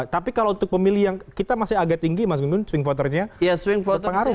tapi kalau untuk pemilih yang kita masih agak tinggi mas gunung swing voternya berpengaruh gak